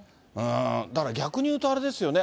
だから、逆にいうとあれですよね。